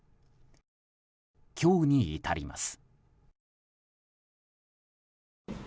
今日に至ります。